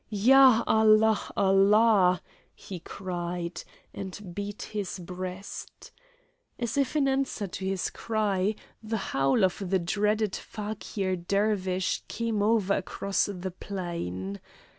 "Ya! Allah! Allah!" he cried, and beat his breast. As if in answer to his cry, the howl of the dreaded Fakir Dervish came over across the plain.